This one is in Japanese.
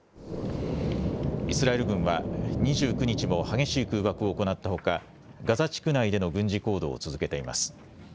イスラエル軍は、２９日も激しい空爆を行ったほか、ガザ地区内での軍事行動を続けています。